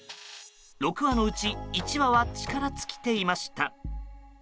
６羽のうち１羽は力尽きていました。